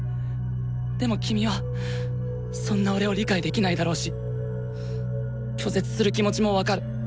でも君はそんな俺を理解できないだろうし拒絶する気持ちも分かる。